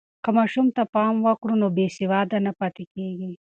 که ماشوم ته پام وکړو، نو بې سواده نه پاتې کېږي.